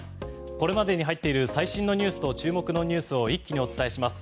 これまでに入っている最新ニュースと注目ニュースを一気にお伝えします。